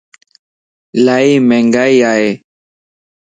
الائي مھنگائي ائي.